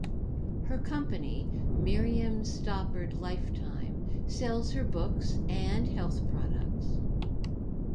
Her company, Miriam Stoppard Lifetime, sells her books and health products.